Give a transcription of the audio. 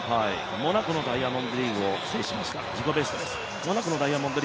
モナコのダイヤモンドリーグを制しました自己ベストです。